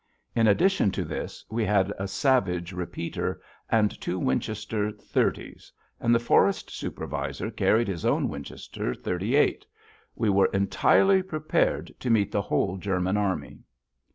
In addition to this, we had a Savage repeater and two Winchester thirties, and the Forest Supervisor carried his own Winchester thirty eight. We were entirely prepared to meet the whole German army.